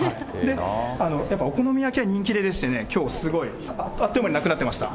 やっぱりお好み焼きは人気でして、きょうすごいあっという間になくなってまして。